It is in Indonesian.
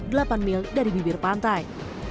delapan mil dari bibir pantai